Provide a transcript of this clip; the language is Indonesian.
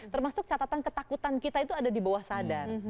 termasuk catatan ketakutan kita itu ada di bawah sadar